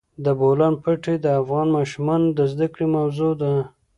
د بولان پټي د افغان ماشومانو د زده کړې موضوع ده.